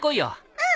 うん。